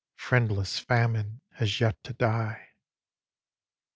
Friendless Famine has yet to die.